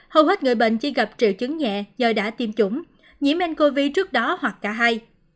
hầu hết người bệnh chỉ gặp triệu chứng nhẹ do đã tiêm chủng nhiễm ncov trước đó hoặc cả hai